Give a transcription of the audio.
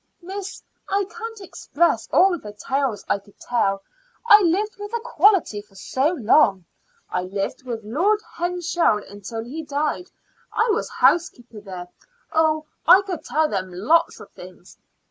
"Miss, I can't express all the tales I could tell. I lived with the quality for so long. I lived with Lord Henshel until he died; I was housekeeper there. Oh, I could tell them lots of things."